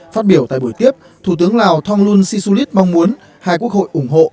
phát biểu tại buổi tiếp thủ tướng lào thong lung xisulit mong muốn hai quốc hội ủng hộ